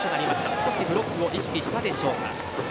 少しブロックを意識したでしょうか。